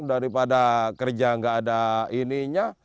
daripada kerja tidak ada